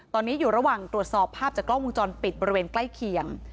ตอนนี้อยู่ระหว่างตรวจสอบภาพจากกล้องวงจรปิดบริเวณใกล้เคียง